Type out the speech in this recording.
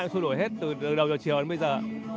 sôi nổi hết từ đầu giờ chiều đến bây giờ